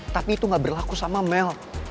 tapi itu gak berlaku sama mel